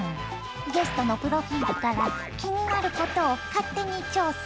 ゲストのプロフィールから気になることを勝手に調査。